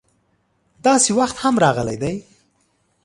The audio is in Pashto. داسې وخت هم راغلی دی.